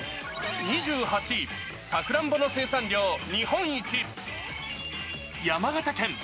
２８位、さくらんぼの生産量日本一、山形県。